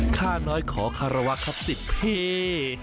ค่าน้อยขอคาราวะครับสิพี่